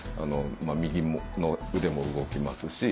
右の腕も動きますし。